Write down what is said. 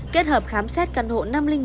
kết hợp khám xét căn hộ năm trăm linh một